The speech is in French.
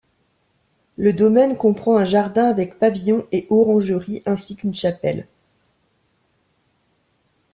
Le domaine comprend un jardin avec pavillon et orangerie ainsi qu'une chapelle.